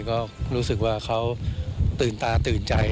ก็รู้สึกว่าเขาตื่นตาตื่นใจ